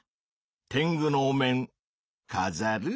てんぐのお面かざる？